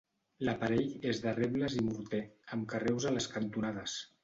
L'aparell és de rebles i morter, amb carreus a les cantonades.